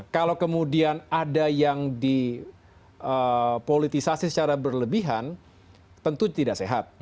kalau kemudian ada yang dipolitisasi secara berlebihan tentu tidak sehat